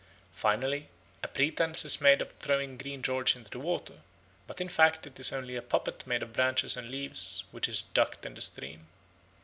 Finally, a pretence is made of throwing Green George into the water, but in fact it is only a puppet made of branches and leaves which is ducked in the stream.